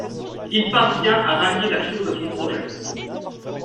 Il parvient à rallier la Chose à son projet.